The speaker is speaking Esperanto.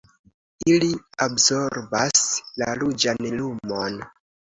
Ili absorbas la ruĝan lumon.